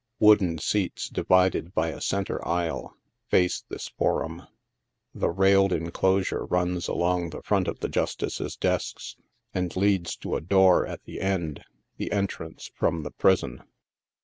Wooden seats, divided by a centre aisle, face this forum. The railed enclo sure runs along the front of the Justices' desks, and leads to a door at the end, the entrance from the prison.